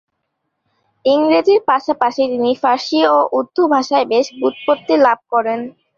ইংরেজির পাশাপাশি তিনি ফারসি ও উর্দু ভাষায়ও বেশ ব্যুৎপত্তি লাভ করেন।